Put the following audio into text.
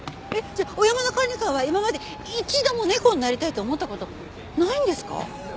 じゃあ小山田管理官は今まで一度も猫になりたいと思った事ないんですか？